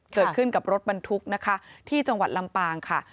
เกิดขึ้นกับรถบรรทุกนะคะที่จังหวัดลำปางค่ะ